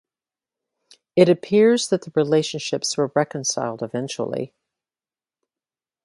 It appears that the relationships were reconciled eventually.